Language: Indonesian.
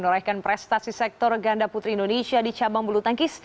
meraihkan prestasi sektor ganda putri indonesia di cabang bulutangkis